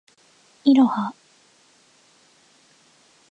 いろは